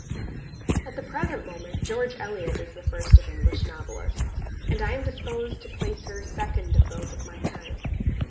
At the present moment George Eliot is the first of English novelists, and I am disposed to place her second of those of my time.